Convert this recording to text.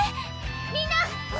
みんな！